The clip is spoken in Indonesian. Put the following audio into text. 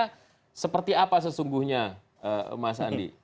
ini sebenarnya seperti apa sesungguhnya mas andi